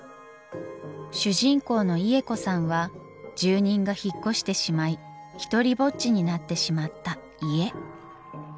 主人公のイエコさんは住人が引っ越してしまいひとりぼっちになってしまった家。